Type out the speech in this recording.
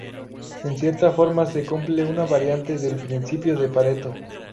En cierta forma se cumple una variante del Principio de Pareto.